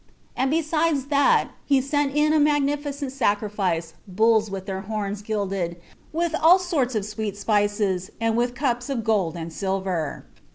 And besides that, he sent in a magnificent sacrifice, bulls with their horns gilded, with all sorts of sweet spices, and with cups of gold and silver.